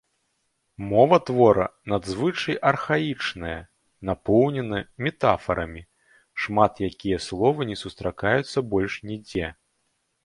Мова твора надзвычай архаічная, напоўнена метафарамі, шмат якія словы не сустракаюцца больш нідзе.